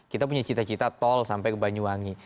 kita punya cita cita tol sampai ke banyuwangi